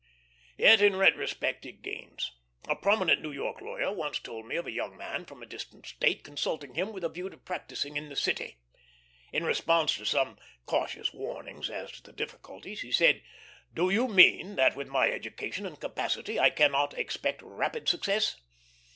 Yet in retrospect it gains. A prominent New York lawyer once told me of a young man from a distant State consulting him with a view to practising in the city. In response to some cautious warning as to the difficulties, he said: "Do you mean that with my education and capacity I cannot expect rapid success?"